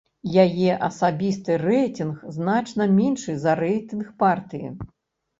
Яе асабісты рэйтынг значна меншы за рэйтынг партыі.